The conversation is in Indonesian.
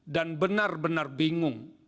dan benar benar bingung